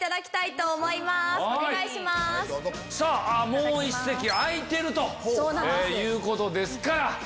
もう１席空いてるということですから。